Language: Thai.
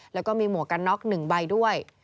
แล้วก็มีหมวกกันน็อก๑ใบด้วย